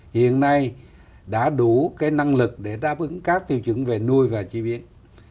hiện nay đã đủ cái năng lực để đáp ứng các tiêu chứng về nuôi và chi biến